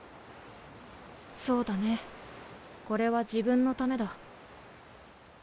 そうだねこれは自分のためだ。